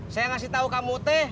saya ngasih tahu kamu teh